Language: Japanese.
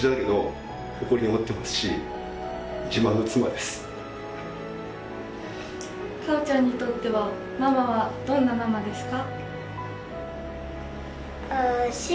まあ果緒ちゃんにとってはママはどんなママですか？